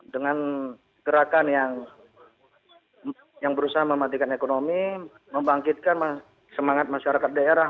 dengan gerakan yang berusaha mematikan ekonomi membangkitkan semangat masyarakat daerah